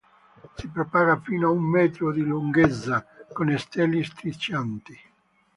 Si propaga fino a un metro di lunghezza, con steli striscianti.